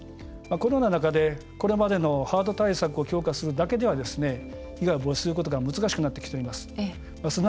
このような中で、これまでのハード対策を強化するだけでは被害を防止することが難しくなってきております。